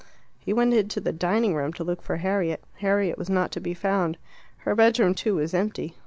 He went into the dining room to look for Harriet. Harriet was not to be found. Her bedroom, too, was empty.